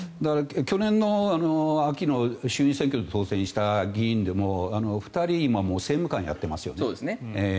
去年の秋の衆議院選挙で当選した議員でも２人、政務官をやってますよね。